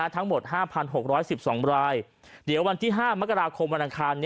ทั้งหมด๕๖๑๒รายเดี๋ยววันที่๕มกราคมวันอังคาร